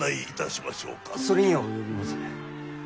それには及びませぬ。